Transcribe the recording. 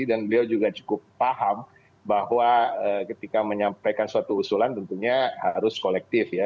dan beliau juga cukup paham bahwa ketika menyampaikan suatu usulan tentunya harus kolektif ya